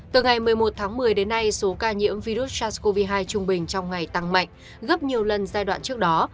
từ ngày một mươi một tháng một mươi đến nay số ca nhiễm virus sars cov hai trung bình trong ngày tăng mạnh gấp nhiều lần giai đoạn trước đó